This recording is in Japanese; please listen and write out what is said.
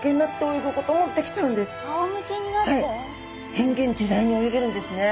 変幻自在に泳げるんですね。